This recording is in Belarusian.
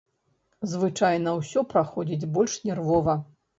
Звычайна ўсё праходзіць больш нервова.